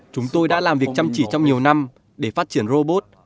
chúng tôi đã làm việc chăm chỉ trong nhiều năm để phát triển robot